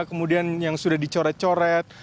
kemudian yang sudah dicoret coret